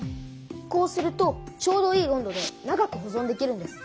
こうするとちょうどいい温度で長くほぞんできるんです。